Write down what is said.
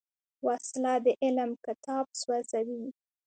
وسله د علم کتاب سوځوي